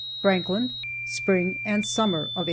FRANKLIN. SPRING AND SUMMER OF 1865.